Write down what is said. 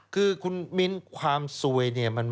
คือคุณมินทร์ความซวยเนี่ยมั้ยครับ